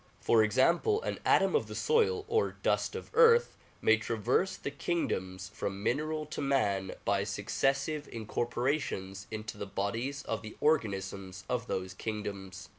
For example, an atom of the soil or dust of earth may traverse the kingdoms from mineral to man by successive incorporations into the bodies of the organisms of those kingdoms.